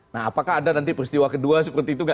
nah apakah ada nanti peristiwa kedua seperti itu nggak